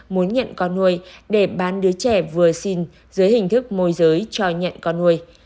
muốn nhận con nuôi để bán đứa trẻ vừa xin dưới hình thức môi giới cho nhận con nuôi